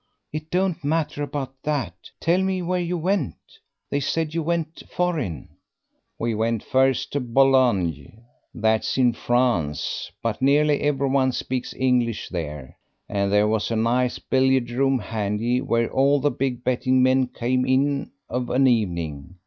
"It don't matter about that. Tell me where you went they said you went foreign." "We first went to Boulogne, that's in France; but nearly everyone speaks English there, and there was a nice billiard room handy, where all the big betting men came in of an evening.